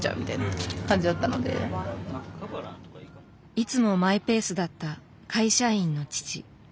いつもマイペースだった会社員の父。